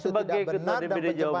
sebagai ketua dpd jawa barat